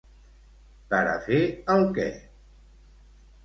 Per a fer el què?